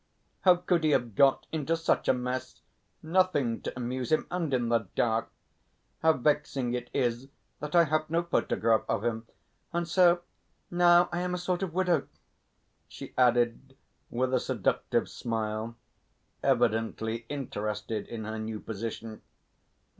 how could he have got into such a mess ... nothing to amuse him, and in the dark.... How vexing it is that I have no photograph of him.... And so now I am a sort of widow," she added, with a seductive smile, evidently interested in her new position.